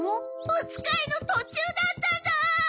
おつかいのとちゅうだったんだ！